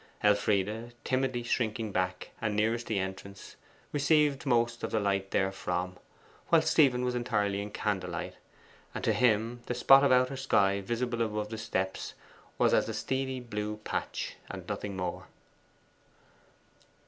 Elfride, timidly shrinking back, and nearest the entrance, received most of the light therefrom, whilst Stephen was entirely in candlelight, and to him the spot of outer sky visible above the steps was as a steely blue patch, and nothing more.